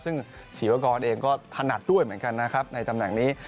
ซึ่งชีวกรเองก็ถนัดด้วยเหมือนกันนะครับในตำแหน่งนี้